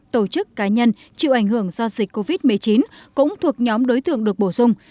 tổ chức cá nhân chịu ảnh hưởng do dịch covid một mươi chín cũng thuộc nhóm đối tượng được bổ sung